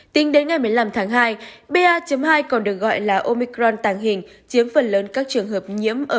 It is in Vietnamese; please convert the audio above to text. tính đến ngày một mươi năm tháng hai ba hai còn được gọi là omicron tàng hình chiếm phần lớn các trường hợp nhiễm